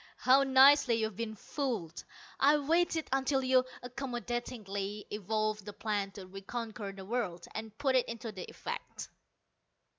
How nicely you've been fooled! I waited until you accommodatingly evolved the plan to reconquer the world, and put it into effect.